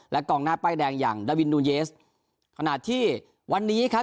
กองหน้าป้ายแดงอย่างดาวินนูเยสขณะที่วันนี้ครับ